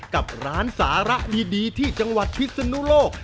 กับร้านสาระดีที่จังหวัดพิศนุโลก